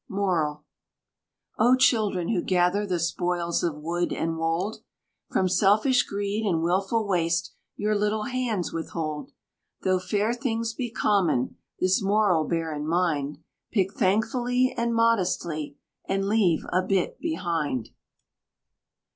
MORAL. Oh, children, who gather the spoils of wood and wold, From selfish greed and wilful waste your little hands withhold. Though fair things be common, this moral bear in mind, "Pick thankfully and modestly, and leave a bit behind."